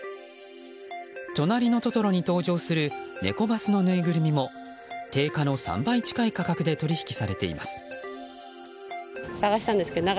「となりのトトロ」に登場するネコバスのぬいぐるみも定価の３倍近い価格で取引されています。